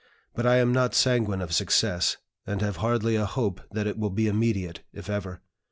But I am not sanguine of success, and have hardly a hope that it will be immediate, if ever.